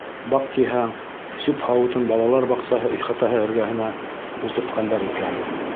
— Баҡтиһәң, сүп һауытын балалар баҡсаһы ихатаһы эргәһенә ултыртҡандар икән.